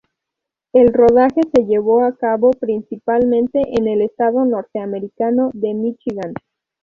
El rodaje se llevó a cabo principalmente en el estado norteamericano de Míchigan.